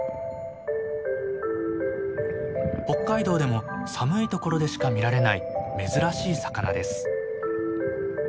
北海道でも寒いところでしか見られない珍しい魚です。